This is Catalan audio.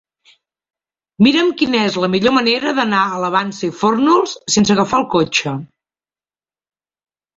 Mira'm quina és la millor manera d'anar a la Vansa i Fórnols sense agafar el cotxe.